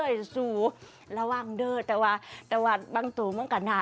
ยังดีอยู่หน่ะ